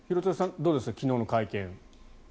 どうですか昨日の会見。